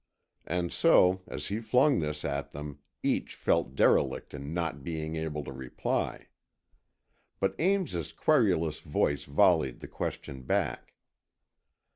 And so, as he flung this at them each felt derelict in not being able to reply. But Ames's querulous voice volleyed the question back.